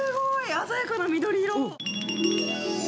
鮮やかな緑色。